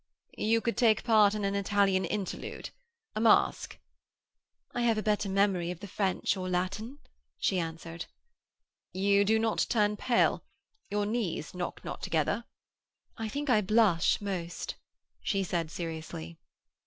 'You could take a part in an Italian interlude? A masque?' 'I have a better memory of the French or Latin,' she answered. 'You do not turn pale? Your knees knock not together?' 'I think I blush most,' she said seriously.